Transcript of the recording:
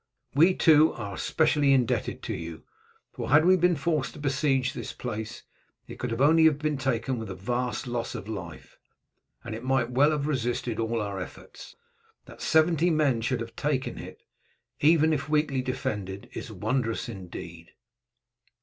We, too, are specially indebted to you, for had we been forced to besiege this place it could only have been taken with a vast loss of life, and it might well have resisted all our efforts. That seventy men should have taken it, even if weakly defended, is wonderful indeed."